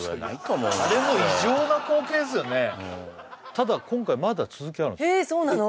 ただ今回まだ続きあるんですよえっそうなの？